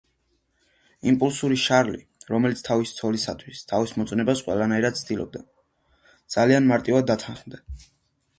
იმპულსური შარლი, რომელიც თავისი ცოლისათვის თავის მოწონებას ყველანაირად ცდილობდა ძალიან მარტივად დათანხმდა.